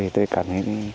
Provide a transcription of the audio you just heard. thì tôi cảm thấy